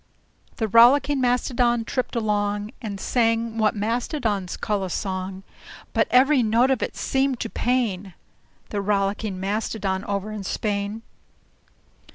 The Rollicking Mastodon tripped along, And sang what Mastodons call a song; But every note of it seemed to pain The Rollicking Mastodon over in Spain.